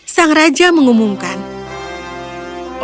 sang raja mengumumkan